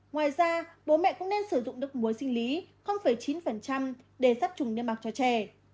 ngoài ra bố mẹ cũng nên sử dụng nước muối sinh lý chín để sát trùng niêm mạc cho trẻ